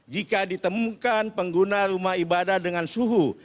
jika ditemukan pengguna rumah ibadah dengan suhu